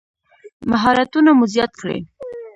مهارتونه مو زیات کړئ